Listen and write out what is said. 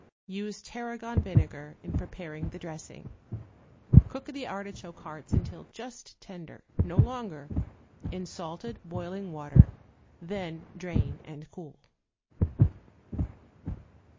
Use tarragon vinegar in preparing the dressing. Cook the artichoke hearts until just tender, no longer, in salted boiling water, then drain and cool.